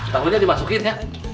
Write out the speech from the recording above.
tangunya dimasukin ya